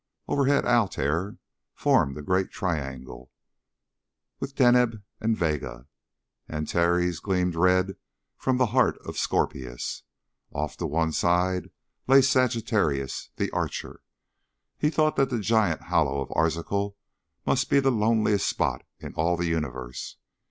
Overhead Altair formed a great triangle with Deneb and Vega. Antares gleamed red from the heart of Scorpius. Off to one side lay Sagittarius, the Archer. He thought that the giant hollow of Arzachel must be the loneliest spot in all the universe.